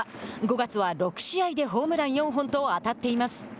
５月は６試合でホームラン４本と当たっています。